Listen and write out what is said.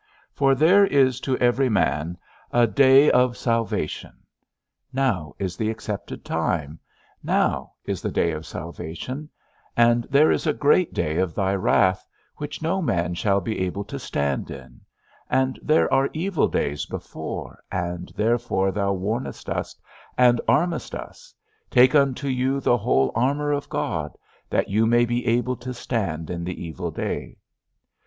For there is to every man a day of salvation. Now is the accepted time, now is the day of salvation, and there is a great day of thy wrath, which no man shall be able to stand in; and there are evil days before, and therefore thou warnest us and armest us, Take unto you the whole armour of God, that you may be able to stand in the evil day.